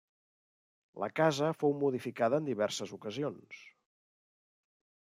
La casa fou modificada en diverses ocasions.